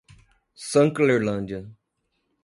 Sanclerlândia